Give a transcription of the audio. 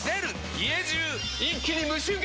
家中一気に無臭化！